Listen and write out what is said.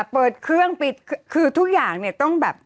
เปิดเครื่องปิดคือทุกอย่างเนี่ยต้องแบบ